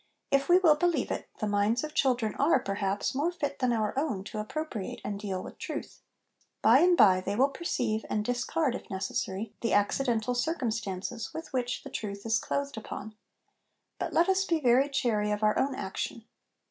If we will believe it, the minds of children are, perhaps, more fit than our own to appropriate and deal with truth. By and by they will perceive, and discard, if necessary, the accidental circumstances with which the truth is clothed upon ; but let us be very chary of our own action.